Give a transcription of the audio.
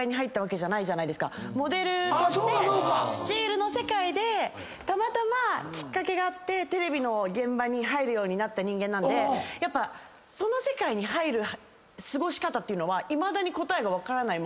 モデルとしてスチールの世界でたまたまきっかけがあってテレビの現場に入るようになった人間なんでやっぱその世界に入る過ごし方っていうのはいまだに。